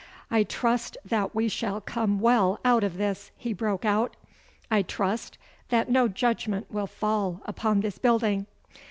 'I trust that we shall come well out of this!' he broke out. 'I trust that no judgment will fall upon this building!